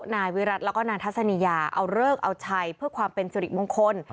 นายวิรัติแล้วก็นางทัศนียาเอาเลิกเอาชัยเพื่อความเป็นสิริมงคล